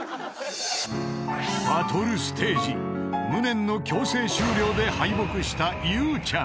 ［バトルステージ無念の強制終了で敗北した］